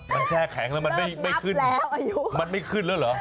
มันแช่แข็งแล้วมันไม่ขึ้นแล้วมันไม่ขึ้นแล้วเหรอ